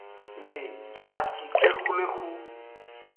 Le acikexwlexu.